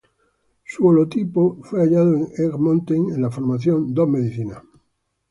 Su holotipo fue hallado en Egg Mountain en la Formación Dos Medicinas.